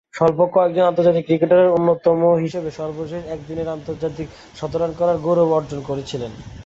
স্বল্প কয়েকজন আন্তর্জাতিক ক্রিকেটারের অন্যতম হিসেবে সর্বশেষ একদিনের আন্তর্জাতিকে শতরান করার গৌরব অর্জন করেছিলেন।